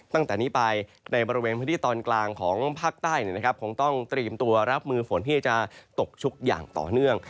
ตั้งแต่นี้ไปในบริเวณพื้นที่ตอนกลางของภาคใต้คงต้องเตรียมตัวรับมือฝนที่จะตกชุกอย่างต่อเนื่อง